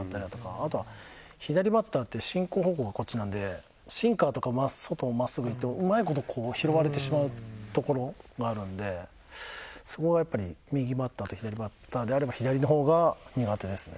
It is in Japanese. あとは左バッターって進行方向がこっちなんでシンカーとか外真っすぐいってもうまい事こう拾われてしまうところがあるんでそこがやっぱり右バッターと左バッターであれば左の方が苦手ですね。